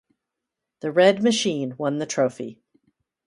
The Red Machine won the trophy.